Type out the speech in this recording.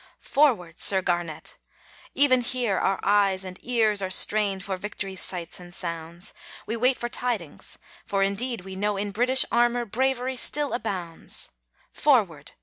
Forward, Sir Garnet! even here our eyes And ears are strained for victory's sights and sounds; We wait for tidings, for indeed we know In British armour bravery still abounds. Forward!